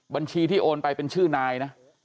บัญชีที่โอนไปเป็นชื่อนายนะ